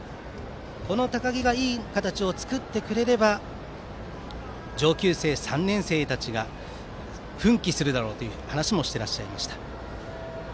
この高木がいい形を作ってくれれば上級生、３年生たちが奮起するだろうという話もしていました。